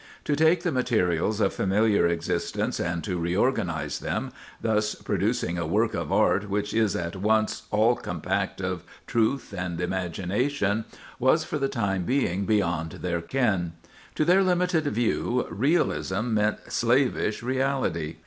To take the materials of familiar existence and to reorganize them, thus producing a work of art which is at once all compact of truth and imagination, was for the time being beyond their ken. To their limited view, realism meant slavish reality.